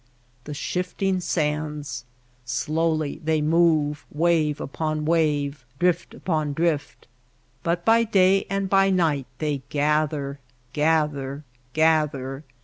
The shifting sands ! Slowly they move, wave upon wave, drift upon drift ; but by day and by night they gather, gather, gather.